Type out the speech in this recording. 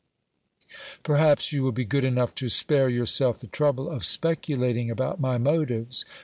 "Perhaps you will be good enough to spare yourself the trouble of speculating about my motives.